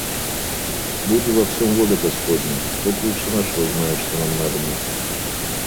Буди во всем воля господня! Бог лучше нашего знает, что нам надобно.